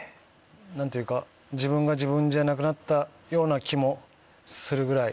何ていうか自分が自分じゃなくなったような気もするぐらい。